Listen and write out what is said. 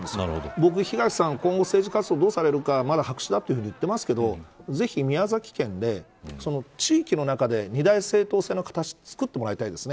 僕、東さん今後政治活動をどうされるかまだ白紙と言ってますけどぜひ宮崎県で、地域の中で二大政党制の形をつくってもらいたいです。